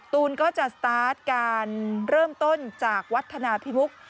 ตูนก็จะสตาร์ทการเริ่มต้นจากวัฒนาพิมุก